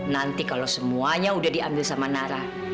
nanti kalau semuanya udah diambil sama nara